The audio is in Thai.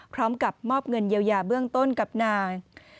พร้อมกับมอบเงินเยียวยาเบื้องต้นกับนาง